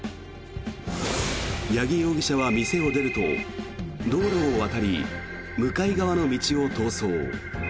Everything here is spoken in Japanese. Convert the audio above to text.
八木容疑者は店を出ると道路を渡り向かい側の道を逃走。